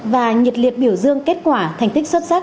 và nhiệt liệt biểu dương kết quả thành tích xuất sắc